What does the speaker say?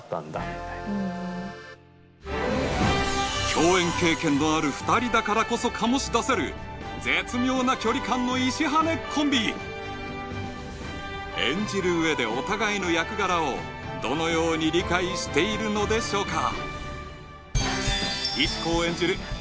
共演経験のある２人だからこそ醸し出せる絶妙な距離感の石羽コンビ演じる上でお互いの役柄をどのように理解しているのでしょうか？